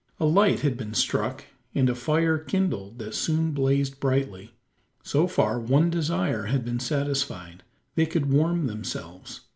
A light had been struck, and a fire kindled that soon blazed brightly. So far one desire had been satisfied. They could warm themselves.